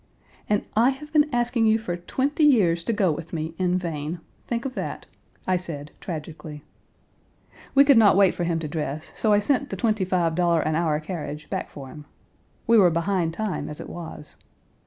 "And I have been asking you for twenty years to go with me, in vain. Think of that!" I said, tragically. We could not wait for him to dress, so I sent the twenty five dollar an hour carriage back for him. We were behind time, as it was.